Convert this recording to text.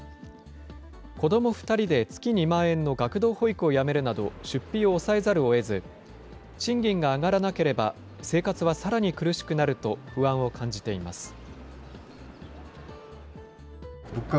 子ども２人で月２万円の学童保育をやめるなど、出費を抑えざるをえず、賃金が上がらなければ、生活はさらに苦しくなると不安を感じています。